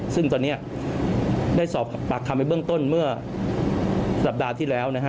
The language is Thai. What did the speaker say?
ซึ่งตอนนี้ได้สอบปากคำไปเบื้องต้นเมื่อสัปดาห์ที่แล้วนะฮะ